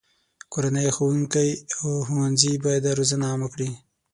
کورنۍ، ښوونکي، او ښوونځي باید دا روزنه عامه کړي.